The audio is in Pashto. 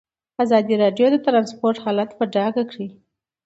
ازادي راډیو د ترانسپورټ حالت په ډاګه کړی.